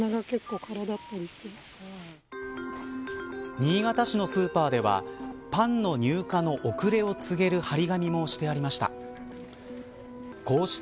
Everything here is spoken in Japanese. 新潟市のスーパーではパンの入荷の遅れを告げる張り紙もしてありました。